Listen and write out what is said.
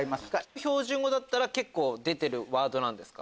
標準語だったら結構出てるワードなんですか？